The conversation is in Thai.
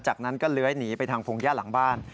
จากนั้นก็เลื้อยหนีไปทางพงหญ้าหลังบ้าน